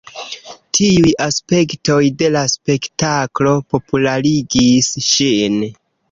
Tiuj aspektoj de la spektaklo popularigis ŝin.